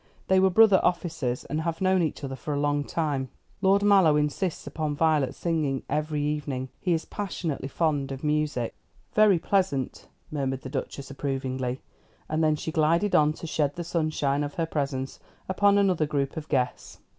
They were brother officers, and have known each other a long time. Lord Mallow insists upon Violet singing every evening. He is passionately fond of music." "Very pleasant," murmured the Duchess approvingly: and then she glided on to shed the sunshine of her presence upon another group of guests.